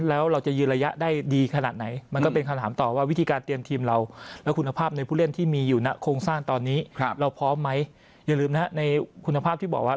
แล้วเราจะยืนระยะได้ดีขนาดไหนมันก็เป็นคำถามต่อว่าวิธีการเตรียมทีมเรา